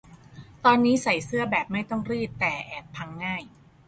ตอนนี้ใส่เสื้อแบบไม่ต้องรีด แต่แอบพังง่าย